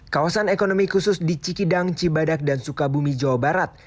kawasan ekonomi khusus di cikidang cibadak dan sukabumi jawa barat